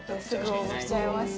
応募しちゃいました